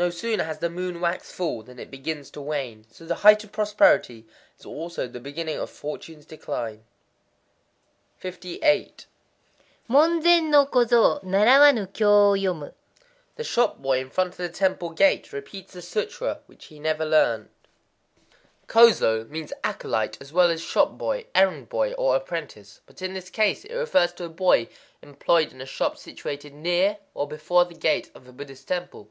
No sooner has the moon waxed full than it begins to wane. So the height of prosperity is also the beginning of fortunes decline. 58.—Mon zen no kozō narawanu kyō wo yomu. The shop boy in front of the temple gate repeats the sutra which he never learned. Kozō means "acolyte" as well as "shop boy,""errand boy," or "apprentice;" but in this case it refers to a boy employed in a shop situated near or before the gate of a Buddhist temple.